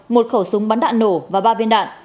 một khẩu súng bắn đạn nổ và ba viên đạn